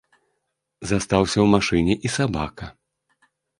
Застаўся ў машыне і сабака.